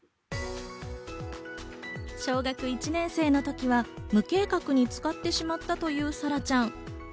小学１年生の時は無計画に使ってしまったという、さらちゃん。